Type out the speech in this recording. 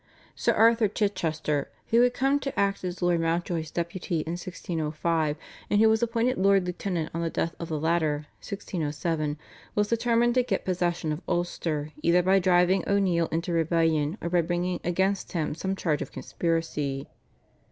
Sir Arthur Chichester, who had come to act as Lord Mountjoy's deputy in 1605, and who was appointed Lord Lieutenant on the death of the latter (1607), was determined to get possession of Ulster either by driving O'Neill into rebellion or by bringing against him some charge of conspiracy.